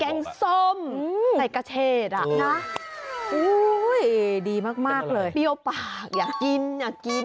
งส้มใส่กระเชษอ่ะนะดีมากเลยเปรี้ยวปากอยากกินอยากกิน